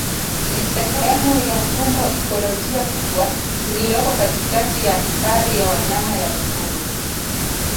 Ni sehemu ya mfumo ikolojia kubwa iliyopo katikati ya Hifadhi ya Wanyama ya mikumi